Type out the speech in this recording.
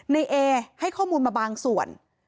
ในเอให้ข้อมูลมาบางส่วน